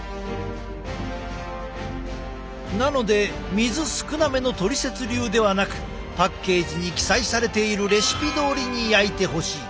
なので水少なめのトリセツ流ではなくパッケージに記載されているレシピどおりに焼いてほしい。